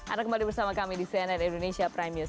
anda kembali bersama kami di cnn indonesia prime news